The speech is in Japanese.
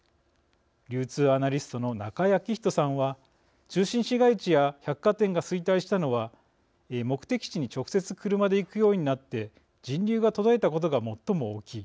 流通アナリストの中井彰人さんは「中心市街地や百貨店が衰退したのは目的地に直接車で行くようになって人流が途絶えたことが最も大きい。